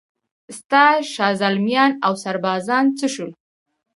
ستا شازلمیان اوسربازان څه شول؟